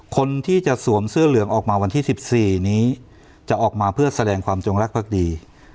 คนที่จะสวมเสื้อเหลืองออกมาวันที่๑๔นี้จะออกมาเพื่อแสดงความจงรักภักดี